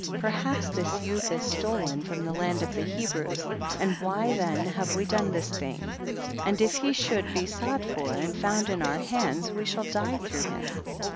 21. Perhaps this youth is stolen from the land of the Hebrews, and why then have we done this thing ? and if he should be sought for and found in our hands we shall die through him.